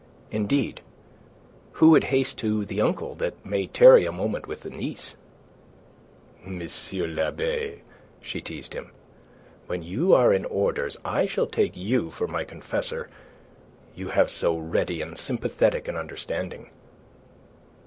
"Indeed, who would haste to the uncle that may tarry a moment with the niece?" "M. l'abbe," she teased him, "when you are in orders I shall take you for my confessor. You have so ready and sympathetic an understanding."